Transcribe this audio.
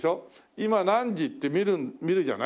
今何時？って見るじゃない。